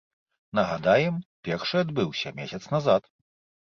Нагадаем, першы адбыўся месяц назад.